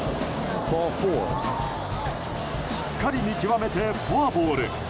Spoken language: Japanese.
しっかり見極めてフォアボール。